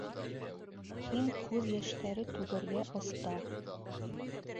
Һин күҙ йәштәре түгергә оҫта...